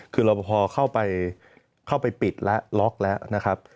คือรอปภเข้าไปปิดแล้วล็อกแล้วนะครับ